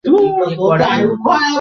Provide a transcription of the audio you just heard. বুধবারের পরীক্ষাটা কঠিন হবে।